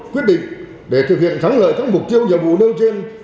quyết định để thực hiện thắng lợi các mục tiêu và vụ nâng trên